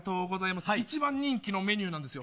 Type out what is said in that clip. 一番人気のメニューです。